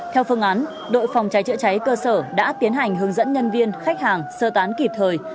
theo phương án đội phòng cháy chữa cháy cơ sở đã tiến hành hướng dẫn nhân viên khách hàng sơ tán kịp thời